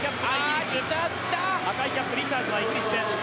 赤いキャップリチャーズはイギリスです。